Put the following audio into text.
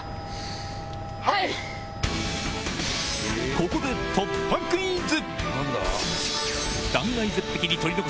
ここで突破クイズ！